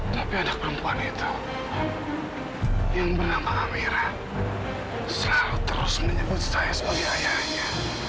tapi anak perempuan itu yang bernama amera selalu terus menyebut saya sebagai ayahnya